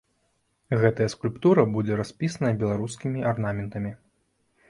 Гэтая скульптура будзе распісаная беларускімі арнаментамі.